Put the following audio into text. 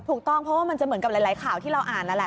ถูกต้องเพราะว่ามันจะเหมือนกับหลายข่าวที่เราอ่านนั่นแหละ